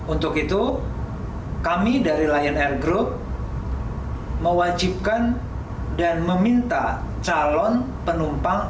untuk itu kami dari lion air group mewajibkan dan meminta calon penumpang